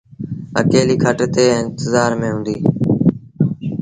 اڪيليٚ کٽ تي انتزآر ميݩ هُݩدي۔